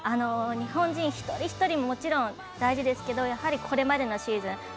日本人一人一人もちろん大事ですけどこれまでのシーズン